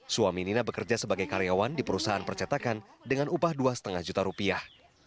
suami nina bekerja sebagai karyawan di perusahaan percetakan dengan upah dua lima juta rupiah